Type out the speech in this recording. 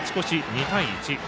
２対１。